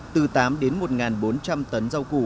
từ tám đến một bốn trăm linh tấn rau củ